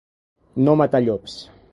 No matar llops.